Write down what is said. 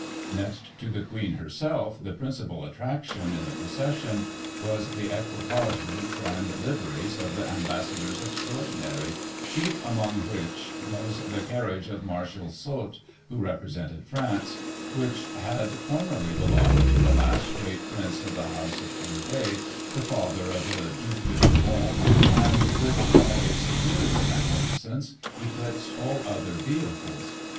Next to the Queen herself, the principal attraction in the procession was the equipages and liveries of the Ambassadors Extraordineiry, chief among which was the carriage of Marshal Soult (who represented France), which had formerly belonged to the last great prince of the House of Conde, the father of the Due de Bourbon, and which, by its superior magnificence, eclipsed all other vehicles.